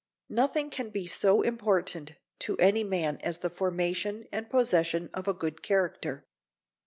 Nothing can be so important to any man as the formation and possession of a good character.